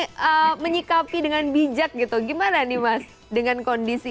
nah ini mungkin untuk menyikapi dengan bijak gitu gimana nih mas dengan kondisi ini